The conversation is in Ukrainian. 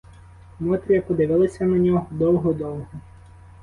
Мотря подивилася на нього довго-довго.